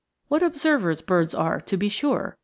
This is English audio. What observers birds are, to be sure!